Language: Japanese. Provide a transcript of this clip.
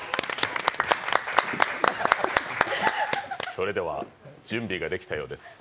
それでは準備ができたようです。